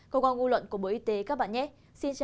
công an ngu luận của bộ y tế các bạn nhé xin chào và hẹn gặp lại